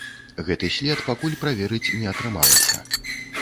Гэты след пакуль праверыць не атрымалася.